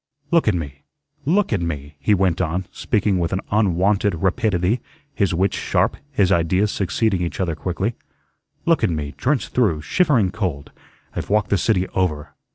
"Look at me. Look at me," he went on, speaking with an unwonted rapidity, his wits sharp, his ideas succeeding each other quickly. "Look at me, drenched through, shivering cold. I've walked the city over.